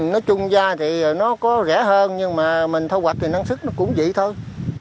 nói chung ra thì nó có rẻ hơn nhưng mà mình thu hoạch thì năng sức nó cũng vậy thôi